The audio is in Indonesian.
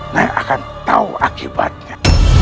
nyai akan tahu akibatnya